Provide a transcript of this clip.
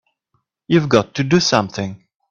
You've got to do something!